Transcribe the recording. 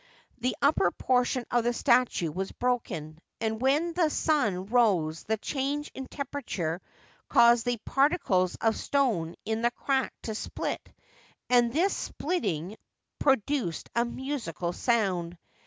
The upper portion of the statue was broken, and when the sun rose the change in temperature caused the particles of stone in the crack to split, and this splitting Eroduced a musical sound.